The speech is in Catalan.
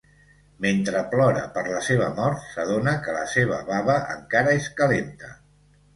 Mentre plora per la seva mort, s"adona que la seva bava encara és calenta.